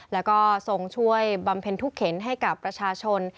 แล้วก็ทรงช่วยบำเพ็ญทุกเข็นให้กับประชาชน